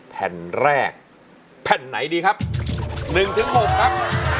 แผ่นแรกแผ่นไหนดีครับ๑๖ครับ